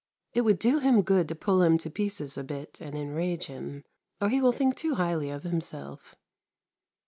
".' It would do him good to pull him to pieces a bit and enrage him, or he will think too highly of himself